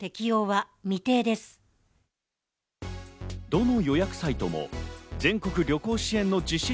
どの予約サイトも全国旅行支援の実施